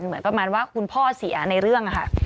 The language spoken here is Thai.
เหมือนประมาณว่าคุณพ่อเสียในเรื่องค่ะ